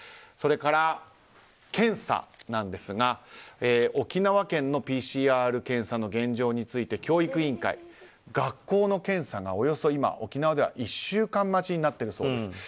それから検査ですが沖縄県のＰＣＲ検査の現状について教育委員会、学校の検査がおよそ、今沖縄では１週間待ちになっているそうです。